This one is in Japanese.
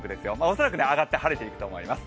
恐らく、上がって晴れていくと思います。